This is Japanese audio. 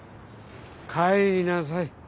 帰りなさい。